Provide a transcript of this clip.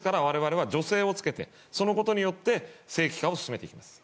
ですから我々は助成をつけてそのことによって正規化を進めていきます。